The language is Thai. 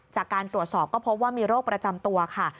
จากการตรวจสอบก็พบว่ามีโรคประจำตัวค่ะ